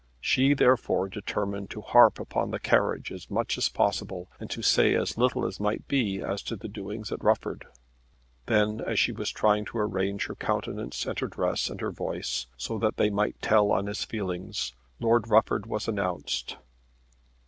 She therefore determined to harp upon the carriage as much as possible and to say as little as might be as to the doings at Rufford. Then as she was trying to arrange her countenance and her dress and her voice, so that they might tell on his feelings, Lord Rufford was announced.